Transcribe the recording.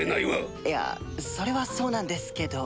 いやそれはそうなんですけど。